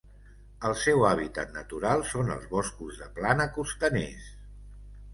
El seu hàbitat natural són els boscos de plana costaners.